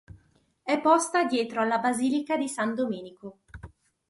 É posta dietro alla Basilica di San Domenico.